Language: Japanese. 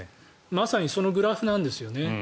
まさにそのグラフなんですよね。